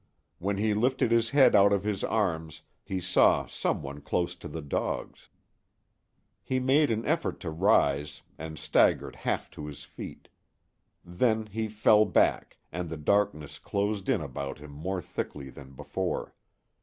When he lifted his head out of his arms he saw some one close to the dogs. He made an effort to rise, and staggered half to his feet. Then he fell back, and the darkness closed in about him more thickly than before.